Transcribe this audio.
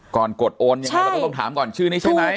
ก่อนกดโอนเราต้องถามก่อนชื่อนี้ใช่ไหม